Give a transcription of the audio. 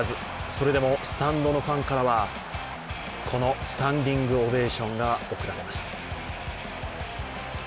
それでもスタンドのファンからは、このスタンディングオベーションが贈られます。